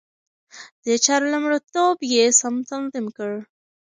د چارو لومړيتوب يې سم تنظيم کړ.